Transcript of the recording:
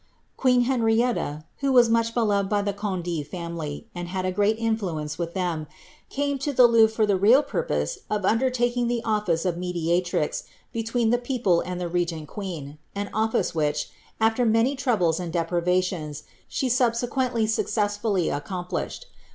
Q^een Henrietta* ho was much beloved by the Conde family, and had a great influence ith them, came to the Louvre for the real purpose of undertaking the fice of mediatrix between the people and the regent queen — an office hich, afler many troubles and deprivations, she subsequently success lly accomplished.